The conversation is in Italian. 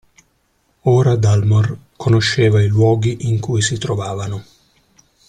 Ora Dalmor conosceva i luoghi in cui si trovavano.